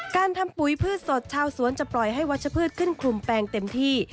การทำปุ๋ยพืชสดชาวสวนจะปล่อยให้วัชพืชขึ้นคลุมแปลงเต็มที่